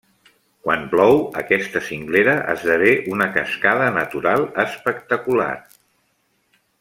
Quan plou aquesta cinglera esdevé una cascada natural espectacular.